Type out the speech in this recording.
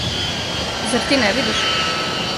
Зар ти не видиш?